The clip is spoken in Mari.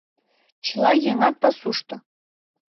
Чыла еҥат пасушто.